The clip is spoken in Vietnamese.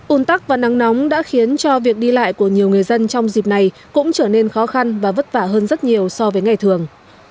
ún tắc và nắng nóng đã khiến cho việc đi lại của nhiều người dân trong dịp này cũng trở nên khó khăn và vất vả hơn rất nhiều so với ngày thường